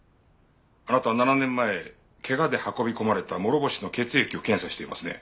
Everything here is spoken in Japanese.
あなた７年前怪我で運び込まれた諸星の血液を検査していますね。